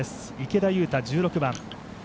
池田勇太１６番。